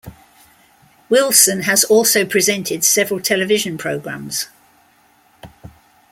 Wilson has also presented several television programmes.